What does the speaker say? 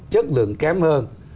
chất lượng kém hơn